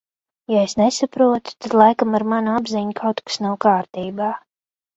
Ja es nesaprotu, tad laikam ar manu apziņu kaut kas nav kārtībā.